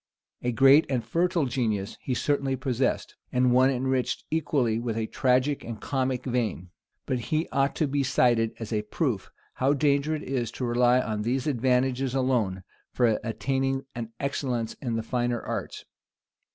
A great and fertile genius he certainly possessed, and one enriched equally with a tragic and comic vein; but he ought to be cited as a proof, how dangerous it is to rely on these advantages alone for attaining an excellence in the finer arts.